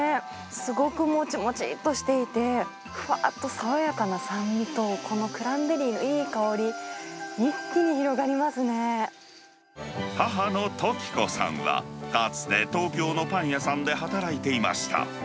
すごくもちもちっとしていて、ふわっと爽やかな酸味と、このクランベリーのいい香り、一気に広母の富貴子さんは、かつて東京のパン屋さんで働いていました。